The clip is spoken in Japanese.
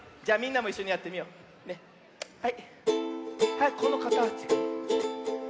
はいこのかたち。